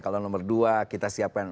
kalau nomor dua kita siapkan